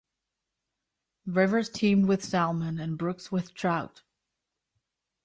Rivers teemed with salmon and brooks with trout.